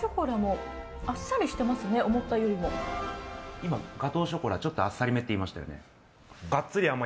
今、ガトーショコラちょっとあっさりめって言いましたね。